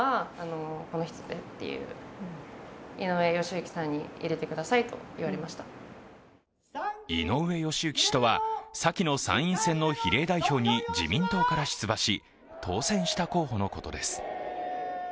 井上義行氏とは、さきの参院選の比例代表に自民党から出馬し当選した候補のことです。